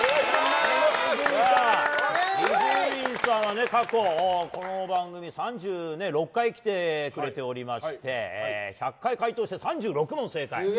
伊集院さんは過去、この番組３６回来てくれておりまして１００回解答して３６問正解。